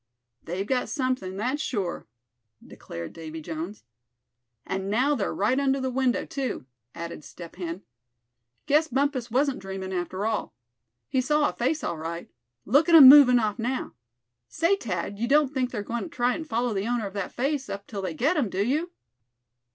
"They've got something, that's sure," declared Davy Jones. "And now they're right under the window, too." added Step Hen. "Guess Bumpus wasn't dreamin' after all. He saw a face, all right. Look at 'em movin' off now. Say, Thad, you don't think they're goin' to try and follow the owner of that face up till they get him, do you?"